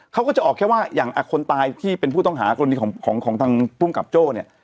เขาก็จะออกแค่ว่าอย่างคนตายที่เป็นผู้ต้องหากรณีของทางภูมิกับโจ้เนี่ย